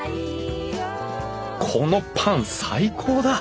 このパン最高だ！